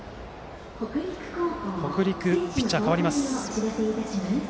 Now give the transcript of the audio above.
北陸、ピッチャーが代わります。